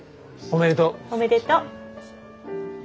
おめでとう。